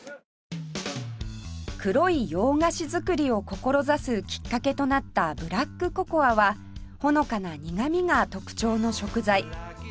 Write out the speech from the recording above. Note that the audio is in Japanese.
黒い洋菓子作りを志すきっかけとなったブラックココアはほのかな苦みが特徴の食材